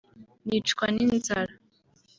nicwa n’inzara